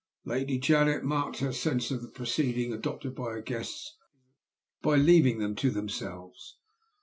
"Lady Janet marked her sense of the proceeding adopted by her guests by leaving them to themselves.